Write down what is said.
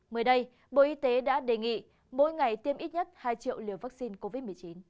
mới đây bộ y tế đã đề nghị mỗi ngày tiêm ít nhất hai triệu liều vaccine covid một mươi chín